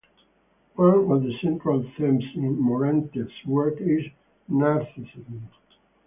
One of the central themes in Morante's work is Narcissism.